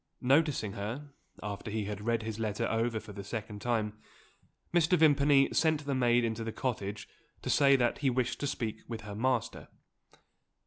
Noticing her, after he had read his letter over for the second time, Mr. Vimpany sent the maid into the cottage to say that he wished to speak with her master.